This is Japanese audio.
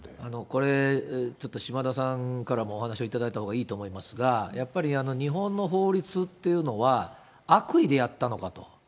これ、ちょっと島田さんからもお話をいただいたほうがいいと思いますが、やっぱり日本の法律っていうのは、悪意でやったのかと。